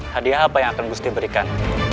hadiah apa yang akan gusti berikan